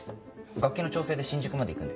楽器の調整で新宿まで行くんで。